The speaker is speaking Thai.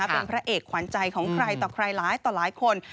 เป็นพระเอกขวัญใจของใครต่อใครหลายต่อหลายคน